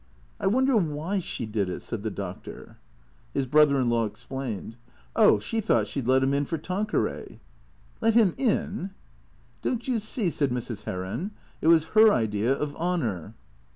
" I wonder why she did it," said the Doctor. His brother in law explained. " Oh, she thought she 'd let him in for Tanquera}^" " Let him in f "" Don't you see," said Mrs. Heron, " it was her idea of hon our."